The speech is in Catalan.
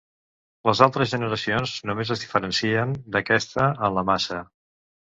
Les altres generacions només es diferencien d'aquesta en la massa.